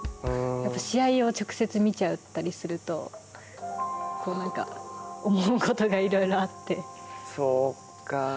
やっぱり試合を直接見ちゃったりすると、なんか思うことがいろいろあって。